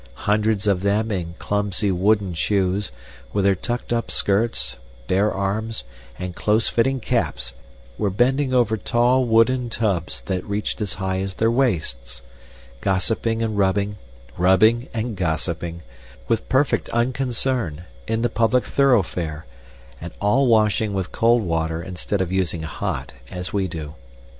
Hundreds of them in clumsy wooden shoes, with their tucked up skirts, bare arms, and close fitting caps, were bending over tall wooden tubs that reached as high as their waists gossiping and rubbing, rubbing and gossiping with perfect unconcern, in the public thoroughfare, and all washing with cold water instead of using hot, as we do.